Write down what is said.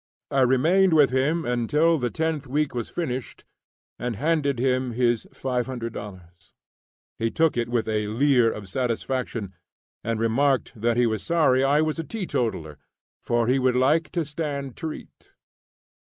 I remained with him until the tenth week was finished, and handed him his $500. He took it with a leer of satisfaction, and remarked, that he was sorry I was a teetotaller, for he would like to stand treat!